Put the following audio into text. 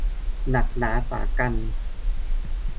หนักหนาสากรรจ์